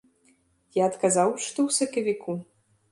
Я адказаў, што ў сакавіку.